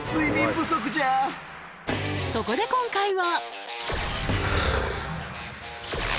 そこで今回は。